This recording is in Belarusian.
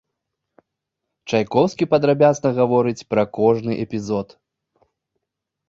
Чайкоўскі падрабязна гаворыць пра кожны эпізод.